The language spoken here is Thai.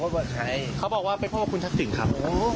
เขาบอกว่าบอกว่าเป็นพ่อคุณขับสิ่งครับ